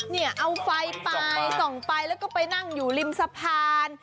เนี่ยเอาไฟไปส่องไปแล้วก็ไปนั่งอยู่ริมสะพาน